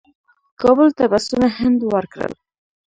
کابل ته بسونه هند ورکړل.